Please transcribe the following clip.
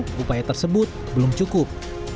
namun tentu upaya tersebut belum cukup